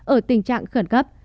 ở tình trạng khẩn cấp